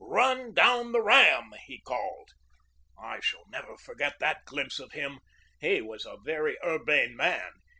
"Run down the ram!" he called. I shall never forget that glimpse of him. He was a very urbane man.